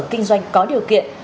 kinh doanh có điều kiện